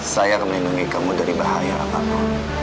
saya akan melindungi kamu dari bahaya apapun